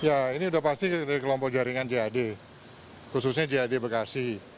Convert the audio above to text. ya ini sudah pasti dari kelompok jaringan jad khususnya jad bekasi